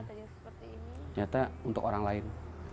ternyata untuk orang lain